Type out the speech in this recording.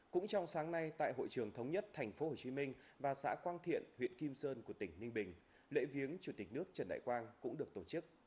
cũng trong sáng nay tại hội trường thống nhất tp hcm và xã quang thiện huyện kim sơn của tỉnh ninh bình lễ viếng chủ tịch nước trần đại quang cũng được tổ chức